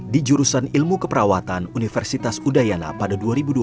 di jurusan ilmu keperawatan universitas udayana pada dua ribu dua belas